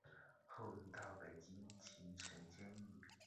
后移到北京秦城监狱。